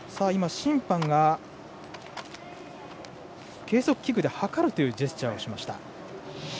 審判が計測器具で測るというジェスチャーをしました。